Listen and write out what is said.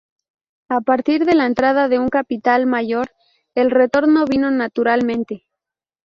A partir de la entrada de un capital mayor, el retorno vino naturalmente.